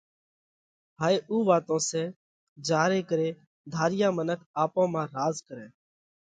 هائي اُو واتون سئہ جيا ري ڪري ڌاريا منک آپون مانه راز ڪرئه